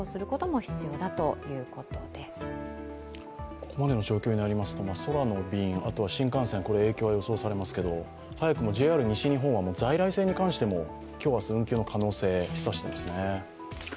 ここまでの状況になりますと空の便、あとは新幹線、影響が予想されますけれども、早くもＪＲ西日本は在来線に関しても今日、明日、運休の可能性を示唆していますね。